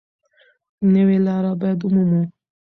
نوې لاره باید ومومو.